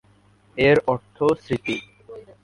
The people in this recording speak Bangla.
এর অর্থও স্মৃতি।